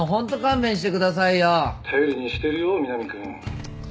頼りにしてるよ南君。